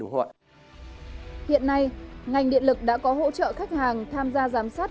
hiện nay ngành điện lực đã có hỗ trợ khách hàng tham gia giám sát